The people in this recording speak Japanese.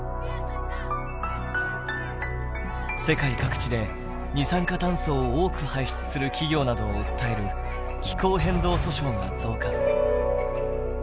世界各地で二酸化炭素を多く排出する企業などを訴える「気候変動訴訟」が増加。